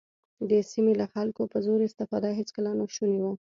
د سیمې له خلکو په زور استفاده هېڅکله ناشونې وه.